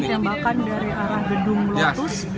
terdengar tembakan dari arah gedung lotus